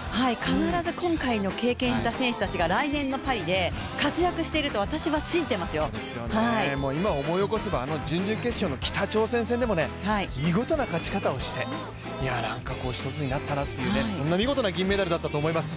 必ず今回の経験した選手たちが来年のパリで今、思い起こせばあの準々決勝の北朝鮮戦でも見事な勝ち方をして、一つになったなという、そんな見事な銀メダルだったと思います。